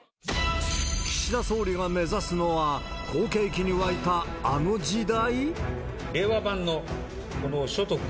岸田総理が目指すのは、好景気に沸いたあの時代？